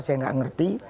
saya tidak mengerti